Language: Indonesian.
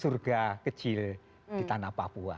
surga kecil di tanah papua